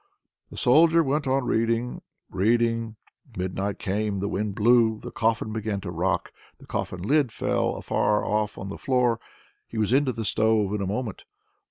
The Soldier went on reading, reading. Midnight came, the wind blew, the coffin began to rock, the coffin lid fell afar off on the ground. He was into the stove in a moment.